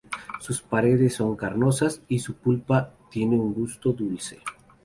Sus paredes son carnosas y su pulpa tiene un gusto dulce.